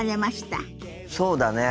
そうだね。